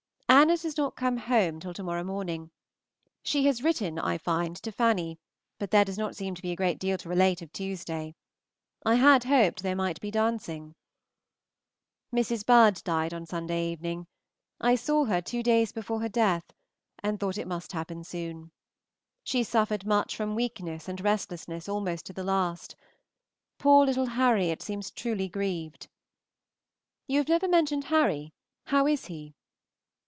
Anna does not come home till to morrow morning. She has written I find to Fanny, but there does not seem to be a great deal to relate of Tuesday. I had hoped there might be dancing. Mrs. Budd died on Sunday evening. I saw her two days before her death, and thought it must happen soon. She suffered much from weakness and restlessness almost to the last. Poor little Harriot seems truly grieved. You have never mentioned Harry; how is he?